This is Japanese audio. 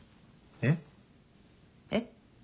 えっ？えっ？